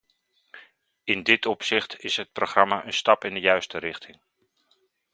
In dit opzicht is het programma een stap in de juiste richting.